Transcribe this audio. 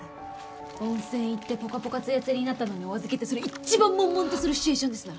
温泉行ってポカポカツヤツヤになったのにお預けってそれ一番悶々とするシチュエーションですな。